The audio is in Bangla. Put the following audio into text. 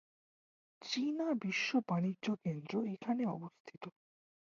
চীনা বিশ্ব বাণিজ্য কেন্দ্র এখানে অবস্থিত।